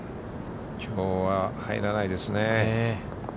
きょうは入らないですね。